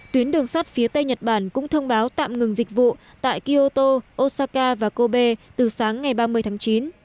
tuyến đường sắt phía tây nhật bản cũng thông báo tạm ngừng dịch vụ tại kyoto osaka và kobe từ sáng ngày ba mươi tháng chín